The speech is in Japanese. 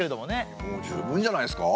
もう十分じゃないですか？